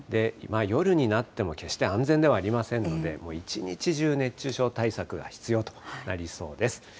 夜になっても、決して安全ではありませんので、もう一日中熱中症対策が必要となりそうです。